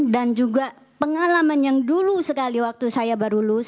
juga pengalaman yang dulu sekali waktu saya baru lulus